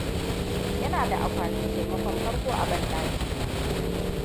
Ina da akwatun taimakon farko a banɗaki na.